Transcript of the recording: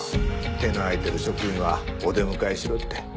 手の空いてる職員はお出迎えしろって。